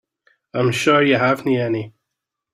I'm sure you haven't any.